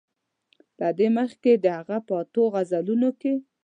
له دې مخکې د هغه په اتو غزلونو کې.